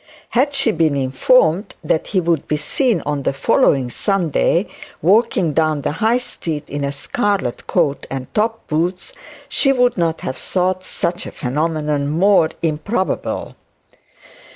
Had she been informed that he would be seen on the following Sunday walking down the High Street in a scarlet coat and top boots, she would not have thought such a phenomenon more improbable.